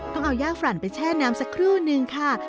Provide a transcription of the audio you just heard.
ต้องเอาย่าฝรั่นไปแช่น้ำสักครู่นึงค่ะ